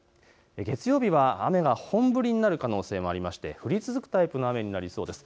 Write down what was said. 月曜日は雨が本降りになる可能性がありまして、降り続くタイプの雨になりそうです。